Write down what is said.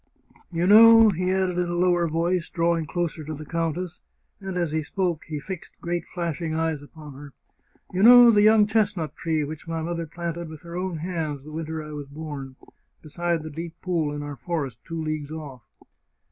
" You know," he added in a lower voice, drawing closer to the countess, and as he spoke he fixed great flashing eyes upon her, " you know the young chestnut tree which my mother planted with her own hands the winter I was born, beside the deep pool in our forest, two leagues off